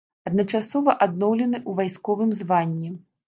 Адначасова адноўлены ў вайсковым званні.